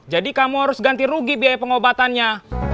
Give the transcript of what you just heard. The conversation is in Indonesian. jadi kamu harus ganti rugi biaya pengobatannya